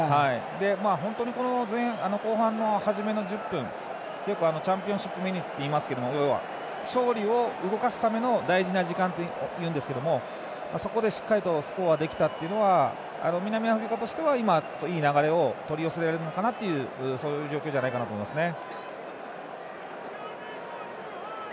本当に後半初めの１０分はよくチャンピオンシップミニッツといいますけど要は、勝利を動かすための大事な時間というんですけどもそこでしっかりスコアできたのは南アフリカとしてはいい流れを取り寄せられたのかなというそういう状況じゃないかなと思いますね。